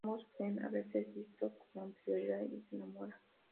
Ambos creen haberse visto con anterioridad y se enamoran.